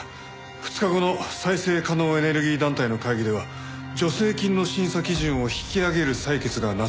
２日後の再生可能エネルギー団体の会議では助成金の審査基準を引き上げる採決がなされるそうだ。